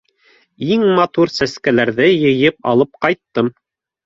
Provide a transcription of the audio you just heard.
Иң матур сәскәләрҙе йыйып алып ҡайттым.